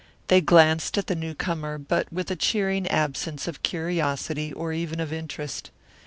They glanced at the newcomer but with a cheering absence of curiosity or even of interest.